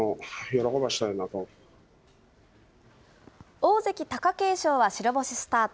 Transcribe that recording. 大関・貴景勝は白星スタート。